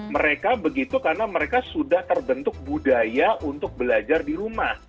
mereka begitu karena mereka sudah terbentuk budaya untuk belajar di rumah